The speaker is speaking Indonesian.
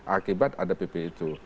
akibat ada pp itu